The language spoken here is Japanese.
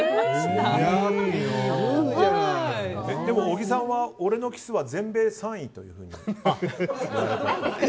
でも小木さんは俺のキスは全米３位と。